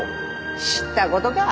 知ったことか！